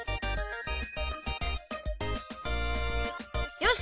よし！